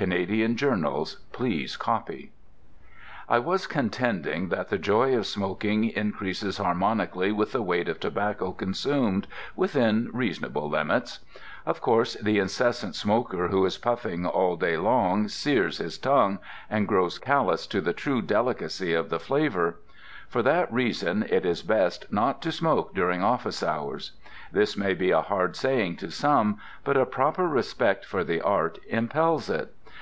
(Canadian journals please copy!) I was contending that the joy of smoking increases harmonically with the weight of tobacco consumed, within reasonable limits. Of course the incessant smoker who is puffing all day long sears his tongue and grows callous to the true delicacy of the flavour. For that reason it is best not to smoke during office hours. This may be a hard saying to some, but a proper respect for the art impels it.